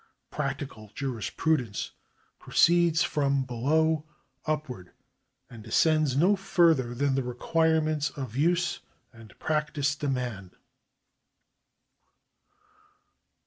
Practical jurisprudence proceeds from below upward, and ascends no further than the requirements of use and practice demand.